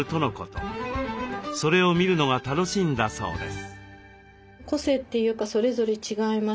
それを見るのが楽しいんだそうです。